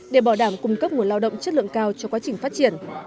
để bảo đảm cung cấp nguồn lao động chất lượng cao cho quá trình phát triển